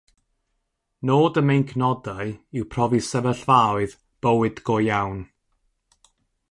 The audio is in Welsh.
Nod y meincnodau yw profi sefyllfaoedd "bywyd go iawn".